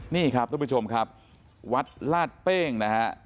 นี่ครับทุกผู้ชมครับวัดลาดเป้งนะฮะ